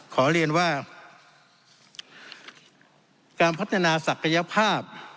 ขอเรียนว่าการพัฒนาศักยภาพ